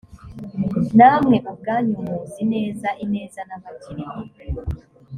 namwe ubwanyu muzi neza ineza nabagiriye.